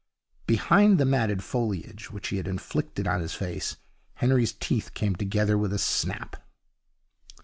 Behind the matted foliage which he had inflicted on his face, Henry's teeth came together with a snap.